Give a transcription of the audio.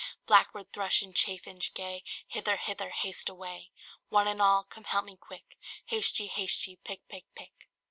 Blackbird, thrush, and chaffinch gay, Hither, hither, haste away! One and all, come help me quick, Haste ye, haste ye pick, pick, pick!"